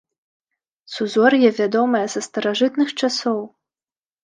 Сузор'е вядомае са старажытных часоў.